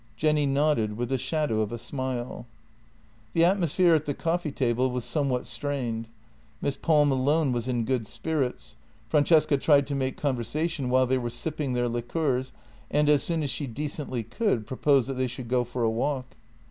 Jenny nodded, with the shadow of a smile. The atmosphere at the coffee table was somewhat strained. Miss Palm alone was in good spirits. Francesca tried to make conversation while they were sipping their liqueurs, and, as soon as she decently could, proposed that they should go for a walk.